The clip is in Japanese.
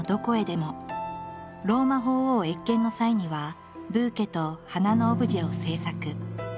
ローマ法王謁見の際にはブーケと花のオブジェを制作。